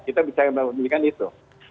kita bisa memulihkan itu